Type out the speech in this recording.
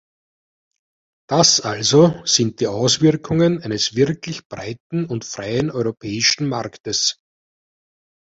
Das also sind die Auswirkungen eines wirklich breiten und freien europäischen Marktes.